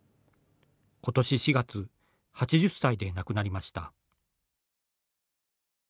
ことし４月８０歳で亡くなりました。